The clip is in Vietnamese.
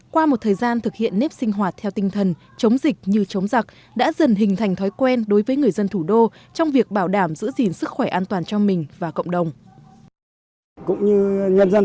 qua một thời gian thực hiện nếp sinh hoạt theo tinh thần chống dịch như chống giặc đã dần hình thành thói quen đối với người dân thủ đô trong việc bảo đảm giữ gìn sức khỏe an toàn cho mình và cộng đồng